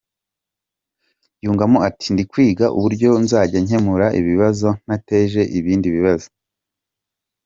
Yungamo ati, “Ndi kwiga uburyo nzajya nkemuramo ibibazo ntateje ibindi bibazo.